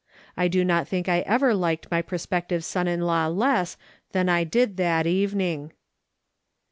I do not think I ever liked my prospective son in law less than I did that evening.